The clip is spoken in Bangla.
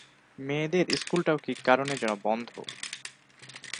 মেয়েদের স্কুলটাও কী কারনে যেন বন্ধ।